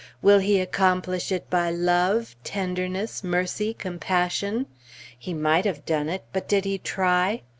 Will he accomplish it by love, tenderness, mercy, compassion? He might have done it; but did he try?